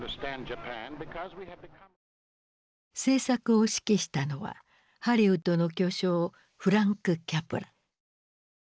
製作を指揮したのはハリウッドの巨匠フランク・キャプラ。